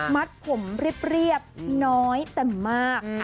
มัดผมเรียบน้อยแต่มาก